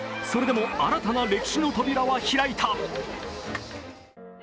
それでも新たな歴史の扉は開いた。